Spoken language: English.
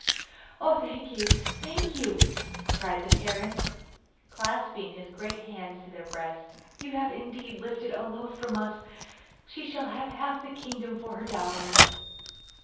'Oh, thank you, thank you!' cried the parents, clasping his great hands to their breasts. 'You have indeed lifted a load from us. She shall have half the kingdom for her dowry.